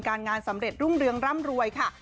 งานสำเร็จรุ่งเรืองร่ำรวยค่ะ